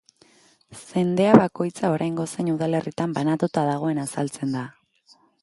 Zendea bakoitza oraingo zein udalerritan banatuta dagoen azaltzen da.